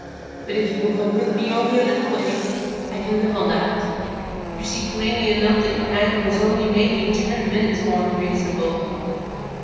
But if you will go with me only a little way I can live on that. You see plainly enough that your anger has only made me ten times more unreasonable."